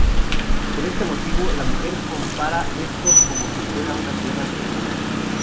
Por este motivo, la mujer compara esto como si fuera una tierra prohibida.